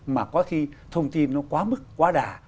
mà có khi thông tin nó quá mức quá đà